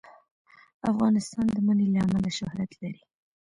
افغانستان د منی له امله شهرت لري.